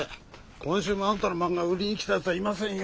今週もあんたの漫画を売りに来たやつはいませんよ。